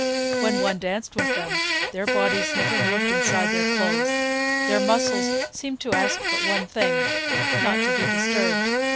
When one danced with them their bodies never moved inside their clothes; their muscles seemed to ask but one thing—not to be disturbed.